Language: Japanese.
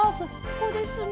ここですね。